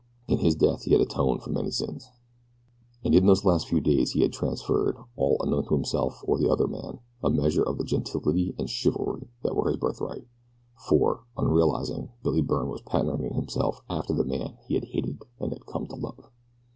In his death he had atoned for many sins. And in those last few days he had transferred, all unknown to himself or the other man, a measure of the gentility and chivalry that were his birthright, for, unrealizing, Billy Byrne was patterning himself after the man he had hated and had come to love.